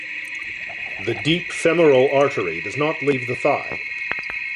The deep femoral artery does not leave the thigh.